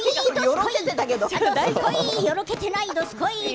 よろけてないどすこい！